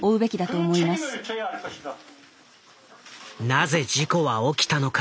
なぜ事故は起きたのか。